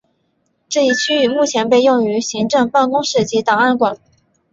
这一区域目前被用于行政办公室及档案馆。